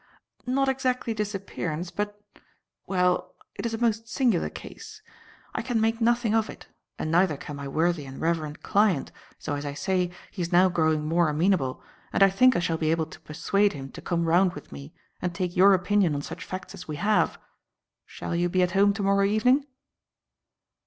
"Not exactly disappearance, but well, it is a most singular case. I can make nothing of it, and neither can my worthy and reverend client, so as I say, he is now growing more amenable, and I think I shall be able to persuade him to come round with me and take your opinion on such facts as we have. Shall you be at home to morrow evening?"